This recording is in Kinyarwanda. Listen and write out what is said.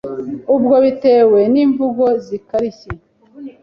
nabwo bitewe n’imvugo zikarishye,